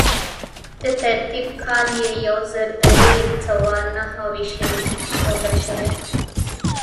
د ترتیب کال یې یو زر درې سوه نهه ویشت ښودل شوی.